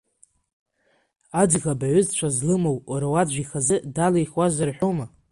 Аӡӷаб аҩызцәа злымоу, руаӡә ихазы далихуазар ҳәоума?